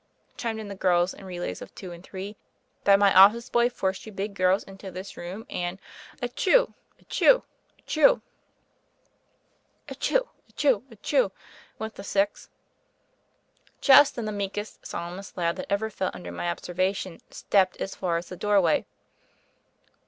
chimed in the girls, in relays of two and three. "That my office boy forced you big girls into this room and— etchoo, etchoo, etchoo!" "Etchoo, etchoo, etchoo!" went the six. Just then the meekest, solemnest lad that ever fell under my observation stepped as far as the doorway.